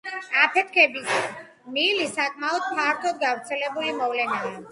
აფეთქების მილი საკმაოდ ფართოდ გავრცელებული მოვლენაა.